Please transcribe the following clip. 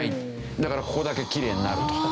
だからここだけきれいになると。